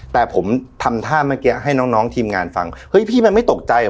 แต่ผมทำท่าเมื่อกี้ให้น้องทีมงานฟังเฮ้ยพี่มันไม่ตกใจเหรอ